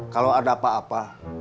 kalau ada apa apa